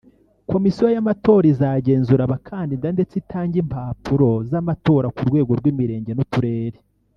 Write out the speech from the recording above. Komisiyo y’Amatora izagenzura abakandida ndetse itange impapuro z’amatora ku rwego rw’imirenge n’uturere